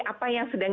apa yang sedang